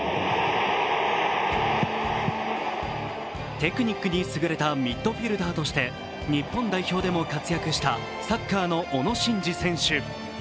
テクニックに優れたミッドフィルダーとして日本代表でも活躍したサッカーの小野伸二選手。